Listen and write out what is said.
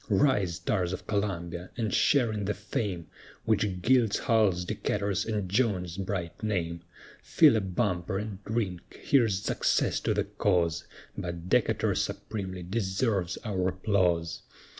Rise, tars of Columbia! and share in the fame, Which gilds Hull's, Decatur's, and Jones's bright name; Fill a bumper, and drink, "Here's success to the cause, But Decatur supremely deserves our applause."